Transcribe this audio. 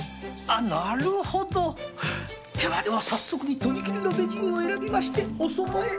なるほどでは早速飛び切りの美人を選びましておそばへ。